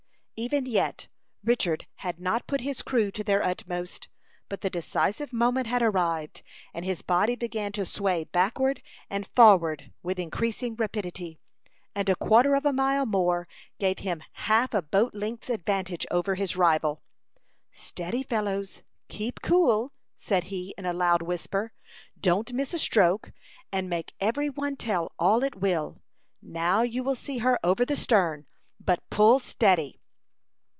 Even yet Richard had not put his crew to their utmost. But the decisive moment had arrived, and his body began to sway backward and forward with increasing rapidity, and a quarter of a mile more gave him half a boat length's advantage over his rival. "Steady, fellows; keep cool," said he, in a loud whisper. "Don't miss a stroke, and make every one tell all it will. Now you see her over the stern but pull steady."